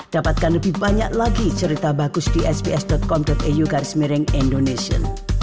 dapatkan lebih banyak lagi cerita bagus di sps com eu garis miring indonesia